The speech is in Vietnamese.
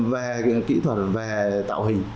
về kỹ thuật về tạo hình